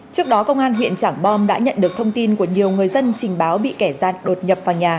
trước đó công an huyện trảng bom đã nhận được thông tin của nhiều người dân trình báo bị kẻ gian đột nhập vào nhà